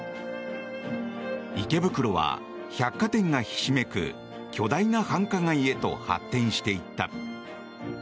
池袋は百貨店がひしめく巨大な繁華街へと発展していった。